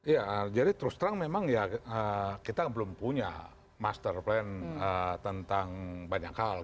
ya jadi terus terang memang ya kita belum punya master plan tentang banyak hal